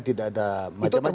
tidak ada macam macam